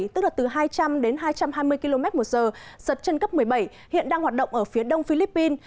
tức là từ hai trăm linh đến hai trăm hai mươi km một giờ giật chân cấp một mươi bảy hiện đang hoạt động ở phía đông philippines